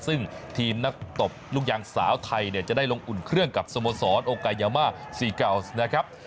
ซึ่งทีมนักตบลูกยางสาวไทยเนี่ยจะได้ลงอุ่นเครื่องกับสโมสรโอกายามาซีเกาส์นะครับ